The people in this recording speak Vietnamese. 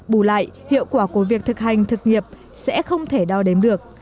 bù lại hiệu quả của việc thực hành thực nghiệp sẽ không thể đo đếm được